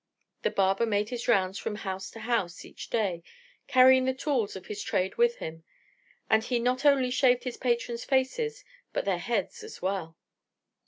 The barber made his rounds from house to house each day, carrying the tools of his trade with him; and he not only shaved his patrons' faces, but their heads as well.